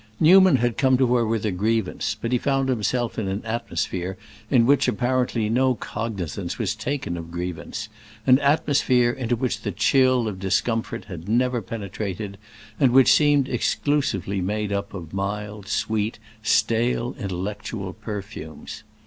Newman had come to her with a grievance, but he found himself in an atmosphere in which apparently no cognizance was taken of grievance; an atmosphere into which the chill of discomfort had never penetrated, and which seemed exclusively made up of mild, sweet, stale intellectual perfumes.